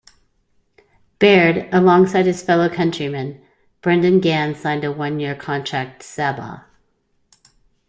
Baird, alongside his fellow countrymen, Brendan Gan signed a one-year contract Sabah.